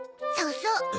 そうそう。